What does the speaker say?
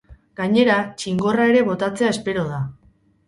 Gainera, txingorra ere botatzea espero da.